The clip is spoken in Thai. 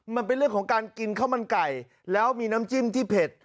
มันเป็นเรื่องของการกินข้าวมันไก่แล้วมีน้ำจิ้มที่เผ็ด